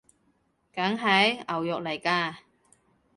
梗係！牛肉來㗎！